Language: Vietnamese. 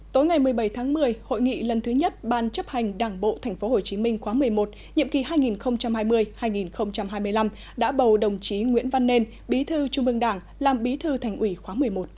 tối ngày một mươi bảy tháng một mươi hội nghị lần thứ nhất ban chấp hành đảng bộ tp hcm khóa một mươi một nhiệm kỳ hai nghìn hai mươi hai nghìn hai mươi năm đã bầu đồng chí nguyễn văn nên bí thư trung ương đảng làm bí thư thành ủy khóa một mươi một